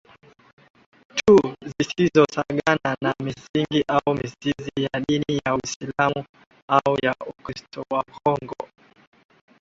tu zisizosigana na Misingi au Mizizi ya Dini ya Uislamu au ya UkristoWaghongo